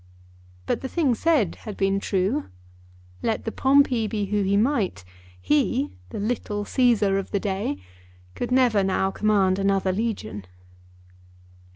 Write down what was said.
But the thing said had been true. Let the Pompey be who he might, he, the little Cæsar of the day, could never now command another legion.